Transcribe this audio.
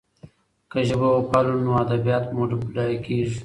که ژبه وپالو نو ادبیات مو بډایه کېږي.